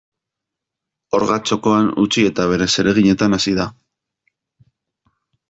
Orga txokoan utzi eta bere zereginetan hasi da.